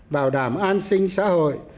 bảo đảm an sinh xã hội